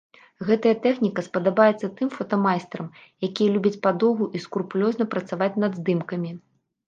Гэтая тэхніка спадабаецца тым фотамайстрам, якія любяць падоўгу і скрупулёзна працаваць над здымкамі.